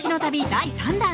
第３弾。